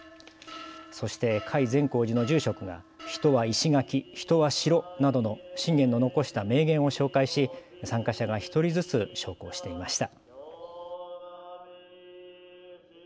そして甲斐善光寺の住職が、人は石垣、人は城などの信玄の残した名言を紹介し参加者が１人ずつ焼香していました。